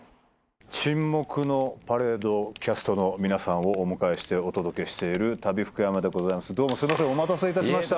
『沈黙のパレード』キャストの皆さんをお迎えしてお届けしている『タビフクヤマ』でございます。